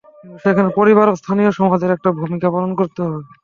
কিন্তু সেখানে পরিবার ও স্থানীয় সমাজের একটা ভূমিকা পালন করতে হবে।